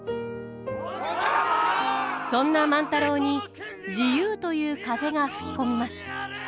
そんな万太郎に自由という風が吹き込みます。